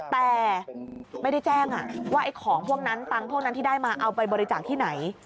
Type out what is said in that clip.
แต่ไม่ได้แจ้งว่าไอ้ของพวกนั้นตังค์พวกนั้นที่ได้มาเอาไปบริจาคที่ไหน